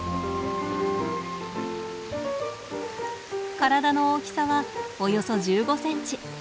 体の大きさはおよそ１５センチ。